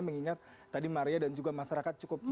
mengingat tadi maria dan juga masyarakat cukup